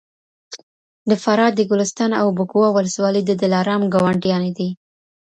د فراه د ګلستان او بکواه ولسوالۍ د دلارام ګاونډیانې دي